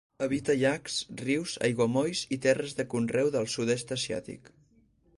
Habita llacs, rius, aiguamolls i terres de conreu del Sud-est asiàtic.